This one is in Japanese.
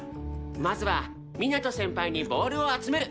まずはみなと先輩にボールを集める。